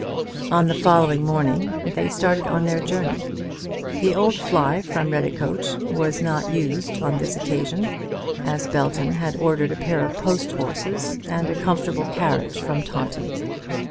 On the following morning they started on their journey. The old fly from Redicote was not used on this occasion, as Belton had ordered a pair of post horses and a comfortable carriage from Taunton.